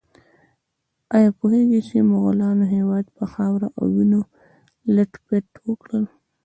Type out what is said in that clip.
ایا پوهیږئ مغولانو هېواد په خاورو او وینو لیت پیت کړ؟